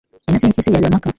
intasi y'impyisi yabira maka